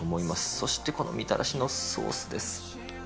そしてこのみたらしのソースです。